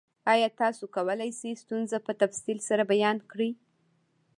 ایا تاسو کولی شئ ستونزه په تفصیل سره بیان کړئ؟